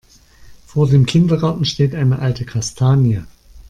Vor dem Kindergarten steht eine alte Kastanie.